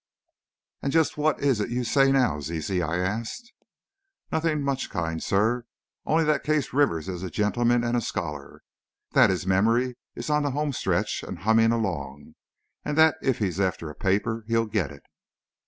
"And just what is it you say, now, Zizi?" I asked. "Nothin' much, kind sir. Only that Case Rivers is a gentleman and a scholar, that his memory is on the home stretch and humming along, and that if he's after a paper, he'll get it!"